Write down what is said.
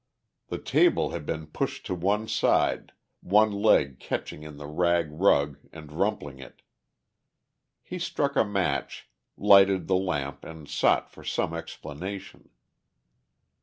The table had been pushed to one side, one leg catching in the rag rug and rumpling it. He struck a match, lighted the lamp and sought for some explanation.